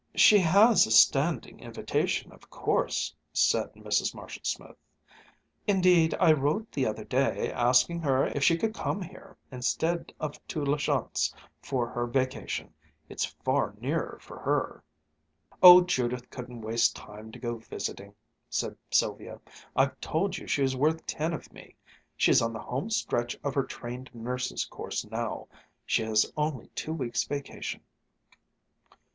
"She has a standing invitation, of course," said Mrs. Marshall Smith. "Indeed, I wrote the other day, asking her if she could come here instead of to La Chance for her vacation. It's far nearer for her." "Oh, Judith couldn't waste time to go visiting," said Sylvia. "I've told you she is worth ten of me. She's on the home stretch of her trained nurse's course now. She has only two weeks' vacation."